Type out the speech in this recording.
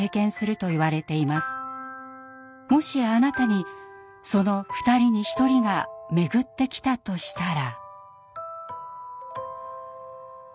もしあなたにその２人に１人がめぐってきたとしたら。